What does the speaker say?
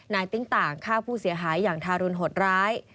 ติ๊งต่างฆ่าผู้เสียหายอย่างทารุณหดร้าย